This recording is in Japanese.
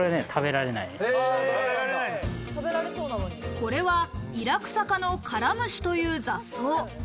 これはイラクサ科のカラムシという雑草。